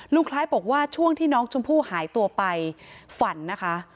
คล้ายบอกว่าช่วงที่น้องชมพู่หายตัวไปฝันนะคะ